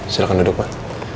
silahkan duduk pak